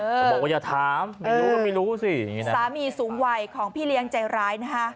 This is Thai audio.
เขาบอกว่าอย่าถามไม่รู้ก็ไม่รู้สิสามีสูงวัยของพี่เลี้ยงใจร้ายนะฮะ